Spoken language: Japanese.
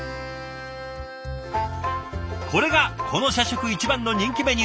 これがこの社食一番の人気メニュー